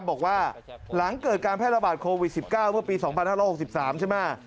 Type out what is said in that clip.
บอกว่าหลังเกิดการแพร่ระบาดโควิด๑๙เมื่อปี๒๕๖๓ใช่ไหม